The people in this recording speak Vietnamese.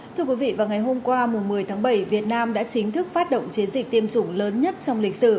thưa quý vị vào ngày hôm qua một mươi tháng bảy việt nam đã chính thức phát động chiến dịch tiêm chủng lớn nhất trong lịch sử